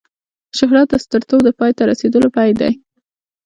شهرت د سترتوب د پای ته رسېدلو پیل دی.